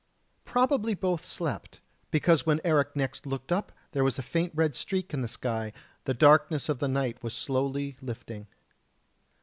Probably both slept, because when Eric next looked up there was a faint red streak in the sky; the darkness of the night was slowly lifting.